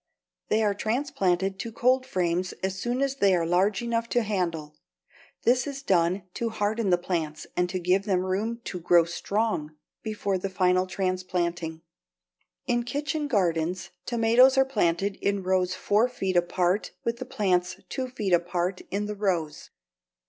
They are transplanted to cold frames as soon as they are large enough to handle. This is done to harden the plants and to give them room to grow strong before the final transplanting. In kitchen gardens tomatoes are planted in rows four feet apart with the plants two feet apart in the rows.